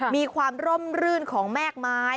ความร่มรื่นของแม่กไม้